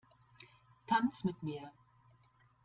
Tanz mit mir!